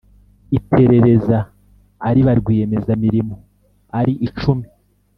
iperereza ari ba rwiyemezamirimo ari icumi